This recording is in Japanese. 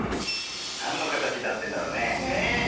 なんのかたちになってるんだろうねえ？